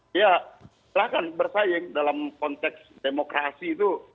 dia silahkan bersaing dalam konteks demokrasi itu